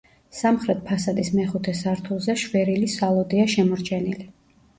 სამხრეთ ფასადის მეხუთე სართულზე შვერილი სალოდეა შემორჩენილი.